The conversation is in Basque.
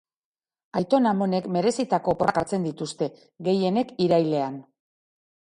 Aiton amonek merezitako oporrak hartzen dituzte, gehienek irailean.